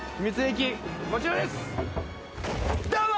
どうも。